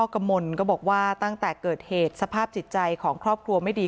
กมลก็บอกว่าตั้งแต่เกิดเหตุสภาพจิตใจของครอบครัวไม่ดี